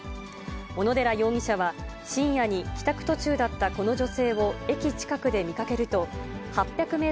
小野寺容疑者は、深夜に帰宅途中だったこの女性を、駅近くで見かけると、８００メー